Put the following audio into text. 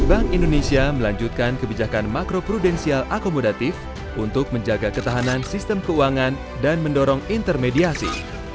bank indonesia melanjutkan kebijakan makro prudensial akomodatif untuk menjaga ketahanan sistem keuangan dan mendorong intermediasi